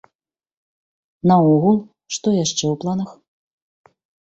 Наогул, што яшчэ ў планах?